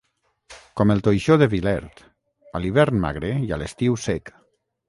Com el toixó de Vilert, a l'hivern magre i a l'estiu sec.